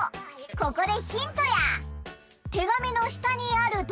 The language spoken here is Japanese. ここでヒントや。